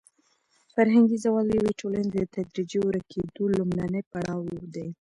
فرهنګي زوال د یوې ټولنې د تدریجي ورکېدو لومړنی پړاو دی.